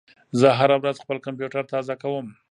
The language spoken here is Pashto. زه هره ورځ خپل کمپیوټر تازه کوم.